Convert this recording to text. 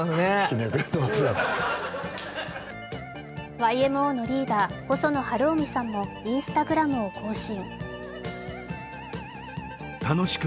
ＹＭＯのリーダー、細野晴臣さんもＩｎｓｔａｇｒａｍを更新。